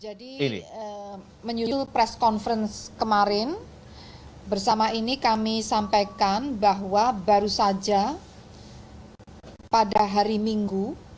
jadi menyusul press conference kemarin bersama ini kami sampaikan bahwa baru saja pada hari minggu